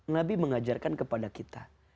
nabi mengajarkan kepada kita